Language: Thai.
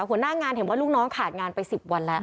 หัวหน้างานเห็นว่าลูกน้องขาดงานไป๑๐วันแล้ว